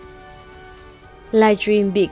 live stream bị cáo còn nội dung bị cáo còn